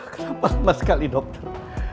kenapa lama sekali dokter